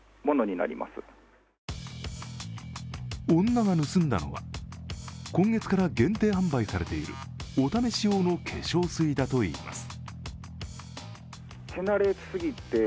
女が盗んだのは今月から限定販売されているお試し用の化粧水だといいます。